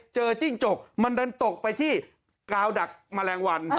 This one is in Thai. จิ้งจกมันดันตกไปที่กาวดักแมลงวัน